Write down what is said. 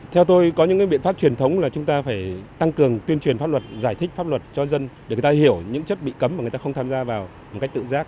theo tôi có những biện pháp truyền thống là chúng ta phải tăng cường tuyên truyền pháp luật giải thích pháp luật cho dân để người ta hiểu những chất bị cấm và người ta không tham gia vào một cách tự giác